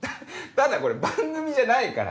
ただこれ番組じゃないから。